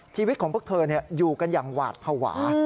ชีวิตของพวกเธออยู่กันอย่างหวาดภาวะ